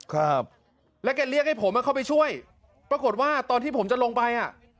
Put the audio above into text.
ครับแล้วแกเรียกให้ผมอ่ะเข้าไปช่วยปรากฏว่าตอนที่ผมจะลงไปอ่ะ